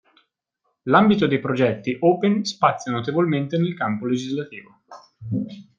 L'ambito dei progetti open spazia notevolmente nel campo legislativo.